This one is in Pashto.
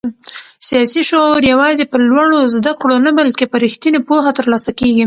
سیاسي شعور یوازې په لوړو زده کړو نه بلکې په رښتینې پوهه ترلاسه کېږي.